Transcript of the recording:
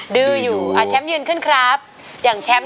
ดื้ออยู่ค่ะ